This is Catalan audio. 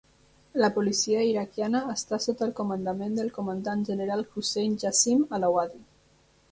La policia iraquiana està sota el comandament del comandant general Hussein Jassim Alawadi.